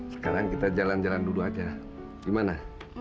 sekarang kita jalan jalan duduk aja gimana